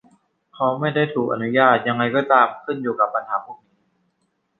เขาไม่ได้ถูกอนุญาต ยังไงก็ตาม ขึ้นอยู่กับปัญหาพวกนี้